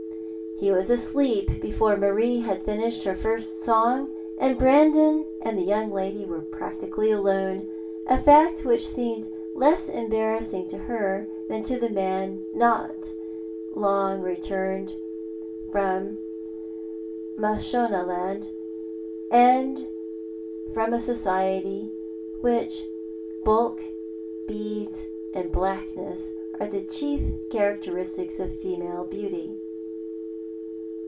He was asleep before Marie had finished her first song, and Brandon and the young lady were jDractically alone, a fact which seemed le^s embarrassing to her than to the man not long returned from Mashonaland, and from a society in which bulk, beads, and blackness are the chief characteristics of female beauty.